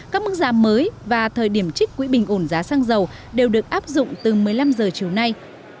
các mức giảm mới và thời điểm trích quỹ bình ổn giá xăng dầu đều được áp dụng từ một mươi năm h chiều nay